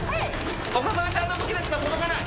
岡副ちゃんの武器でしか届かない。